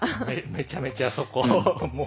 めちゃめちゃそこはもう。